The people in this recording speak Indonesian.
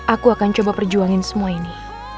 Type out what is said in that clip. aku akan coba perjuangin semua ini